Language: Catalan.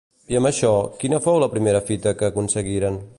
I amb això, quina fou la primera fita que aconseguiren?